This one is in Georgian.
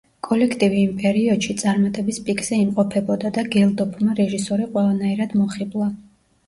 კოლექტივი იმ პერიოდში წარმატების პიკზე იმყოფებოდა და გელდოფმა რეჟისორი ყველანაირად მოხიბლა.